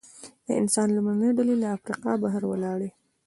د انسان لومړنۍ ډلې له افریقا بهر ولاړې.